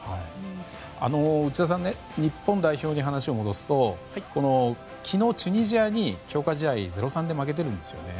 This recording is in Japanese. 内田さん日本代表に話を戻すと昨日チュニジアに強化試合０対３で負けてるんですよね。